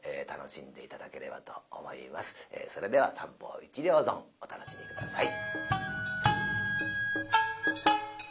それでは「三方一両損」お楽しみ下さい。